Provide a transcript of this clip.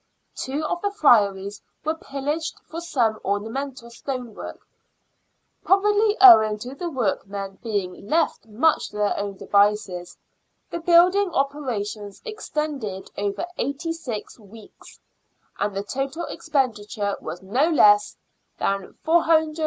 Two of the Friaries were pillaged for some ornamental stonework. Probably owing to the workmen being left much to their own devices, the building operations extended over eighty six weeks, and the total expenditure was no less than £495 13s.